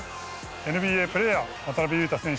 ＮＢＡプレーヤー渡邊雄太選手